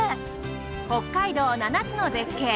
北海道７つの絶景。